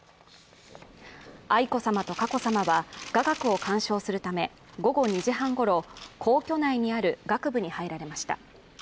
愛子さまと佳子さまは雅楽を鑑賞するため午後２時半ごろ、皇居内にある楽部に入られました。